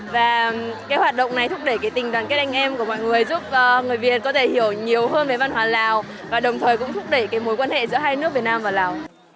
và cái hoạt động này thúc đẩy tình đoàn kết anh em của mọi người giúp người việt có thể hiểu nhiều hơn về văn hóa lào và đồng thời cũng thúc đẩy mối quan hệ giữa hai nước việt nam và lào